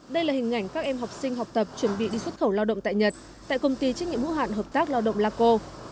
đây là hình ảnh các em học sinh học tập chuẩn bị đi xuất khẩu lao động tại nhật tại công ty trách nhiệm hữu hạn hợp tác lao động laco